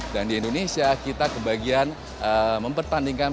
dan di indonesia kita kebagian mempertandingan